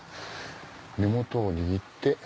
根元を握って。